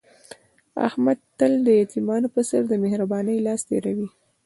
احمد تل د یتیمانو په سر د مهر بانۍ لاس تېروي.